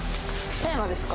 テーマですか？